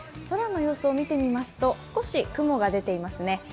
空の様子を見てみますと少し雲が出ていますね。